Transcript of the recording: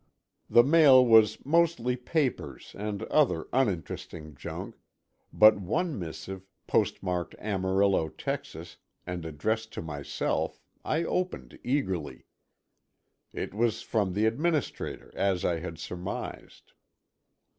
The mail was mostly papers and other uninteresting junk, but one missive, postmarked Amarillo, Texas, and addressed to myself I opened eagerly. It was from the administrator, as I had surmised.